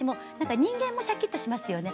人間もシャキっとしますよね